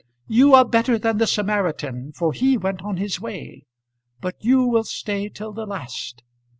You are better than the Samaritan, for he went on his way. But you will stay till the last.